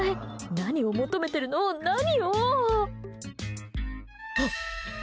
何を求めてるの、何を。